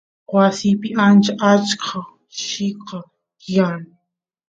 wasiypi ancha achka llika tiyan